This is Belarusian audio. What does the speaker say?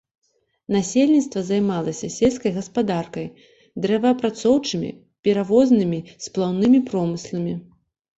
Насельніцтва займалася сельскай гаспадаркай, дрэваапрацоўчымі, перавознымі, сплаўнымі промысламі.